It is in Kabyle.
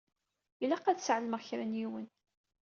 Ilaq ad sɛelmeɣ kra n yiwet.